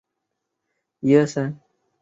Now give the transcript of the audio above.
达讷和四风人口变化图示